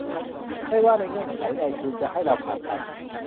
ไม่ว่าในเงื่อนไขใด คุณจะให้เราผ่านไป